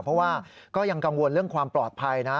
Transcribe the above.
เพราะว่าก็ยังกังวลเรื่องความปลอดภัยนะ